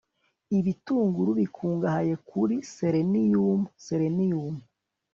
ibitunguru bikungahaye kuri seleniyumu (selenium)